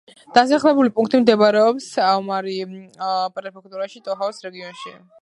დასახლებული პუნქტი მდებარეობს აომორი პრეფექტურაში, ტოჰოკუს რეგიონში.